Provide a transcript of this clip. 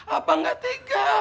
apa gak tega